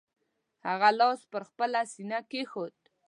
هغه لاس پر خپله سینه کېښود.